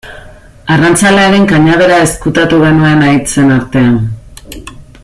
Arrantzalearen kanabera ezkutatu genuen haitzen artean.